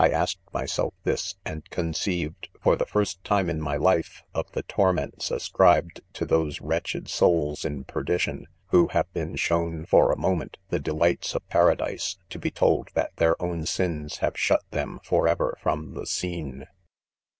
f asked my self this, and conceived^ for the first time in my life,, of the torments ascribed to those wretched souls in perdition,' who have been shown, for a mo ment, the delights of paradise, to be told that their own sins have shut them, forever, front the scene.